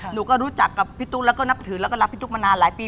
หนูก็รู้จักพี่ทุกค์เนาพถือและก็รักพี่ทุกค์มานานหลายปี